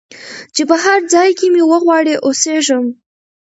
چي په هرځای کي مي وغواړی او سېږم